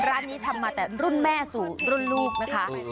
ร้านนี้ทำมาแต่รุ่นแม่สู่รุ่นลูกนะคะ